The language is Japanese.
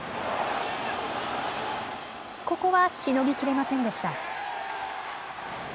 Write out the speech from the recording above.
ここはしのぎきれませんでした。